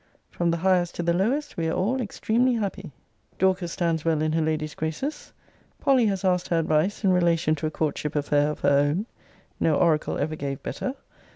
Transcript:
From the highest to the lowest we are all extremely happy. Dorcas stands well in her lady's graces. Polly has asked her advice in relation to a courtship affair of her own. No oracle ever gave better.